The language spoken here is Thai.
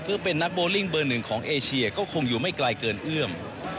เพื่อเป็นนักโบลิ่งเบอร์หนึ่งของเอเชียก็คงอยู่ไม่ไกลเกินเอื้อม